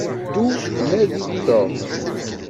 Ddu nadi-d Tom.